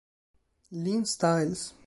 Lynn Styles